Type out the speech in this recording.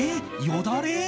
よだれ？